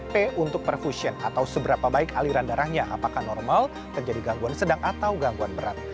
p untuk perfusion atau seberapa baik aliran darahnya apakah normal terjadi gangguan sedang atau gangguan berat